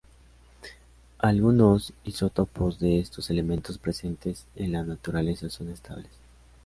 Algunos isótopos de estos elementos presentes en la naturaleza son estables.